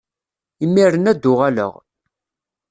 Imir-nni ad d-uɣaleɣ.